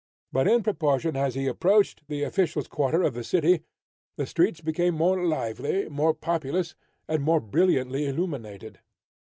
But in proportion as he approached the official's quarter of the city, the streets became more lively, more populous, and more brilliantly illuminated.